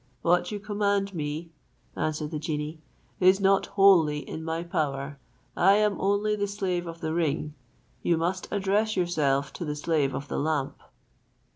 "What you command me," answered the genie, "is not wholly in my power; I am only the slave of the ring; you must address yourself to the slave of the lamp."